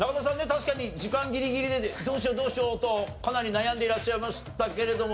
確かに時間ギリギリでどうしようどうしようとかなり悩んでいらっしゃいましたけれども。